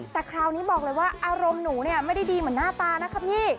แต่คราวนี้บอกเลยว่าอารมณ์หนูเนี่ยไม่ได้ดีเหมือนหน้าตานะคะพี่